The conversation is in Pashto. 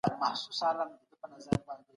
زړه نه درېږي.